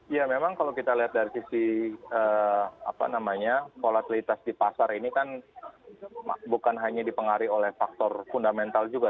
ya memang kalau kita lihat dari sisi volatilitas di pasar ini kan bukan hanya dipengaruhi oleh faktor fundamental juga